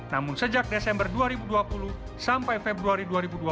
namun sejak desember dua ribu dua puluh sampai februari dua ribu dua puluh